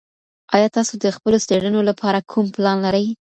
ایا تاسو د خپلو څېړنو لپاره کوم پلان لرئ؟